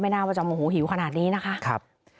หน้าว่าจะโมโหหิวขนาดนี้นะคะ